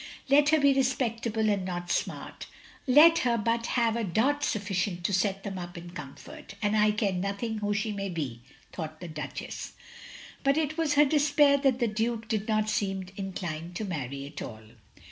" Let her be respectable and not smart; let her but have a dot sufficient to set them up in comfort, and I care nothing who she may be," thought the Duchess. But it was her despair that the Duke did not seem inclined to marry at all.